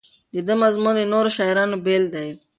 د ده مضمون له نورو شاعرانو بېل دی.